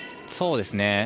そうですね。